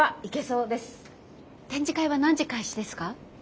展示会は何時開始ですか？